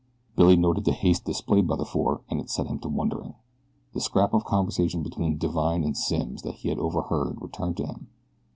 Billy noted the haste displayed by the four and it set him to wondering. The scrap of conversation between Divine and Simms that he had overheard returned to him.